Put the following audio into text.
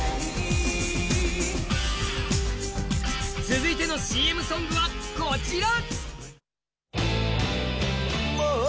続いてのＣＭソングはこちら！